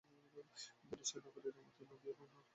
জলাশয় নাগর ও ইরামতী নদী এবং রক্তদহ বিল উল্লেখযোগ্য।